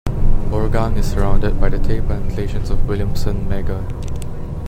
Borgang is surrounded by the tae plantations of Williamson Magor.